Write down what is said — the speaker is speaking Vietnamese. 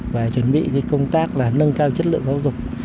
và chuẩn bị công tác là nâng cao chất lượng giáo dục